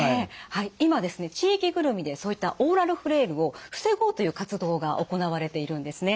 はい今ですね地域ぐるみでそういったオーラルフレイルを防ごうという活動が行われているんですね。